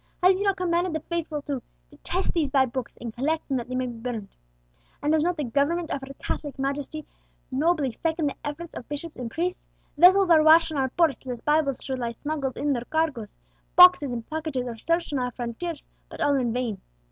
Has he not commanded the faithful to 'detest these bad books, and collect them that they may be burned'? And does not the Government of Her Catholic Majesty nobly second the efforts of bishops and priests? Vessels are watched in our ports, lest Bibles should lie smuggled in their cargoes; boxes and packages are searched on our frontiers: but all in vain.